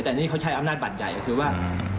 แต่นี่เขาใช้อำนาจบัตรใหญ่ก็คือว่า